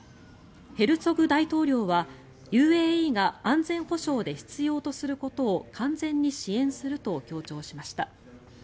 ヘルツォグ大統領は、ＵＡＥが安全保障で必要とすることを完全に支援すると強調しました。